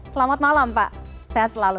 selamat malam pak sehat selalu